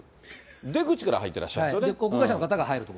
出口から入ってらっしゃるんですよね。